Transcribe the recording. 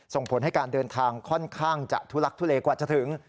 ส่งผลให้การเดินทางค่อนข้างจะทุลักทุเลกว่าจะถึง